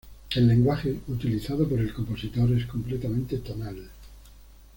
El lenguaje utilizado por el compositor es completamente tonal.